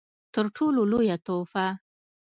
تر ټولو لويه تحفه